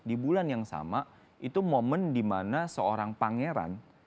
di bulan yang sama itu momen di mana seorang pangeran